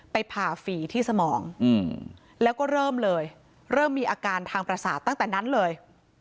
ผ่าฝีที่สมองแล้วก็เริ่มเลยเริ่มมีอาการทางประสาทตั้งแต่นั้นเลย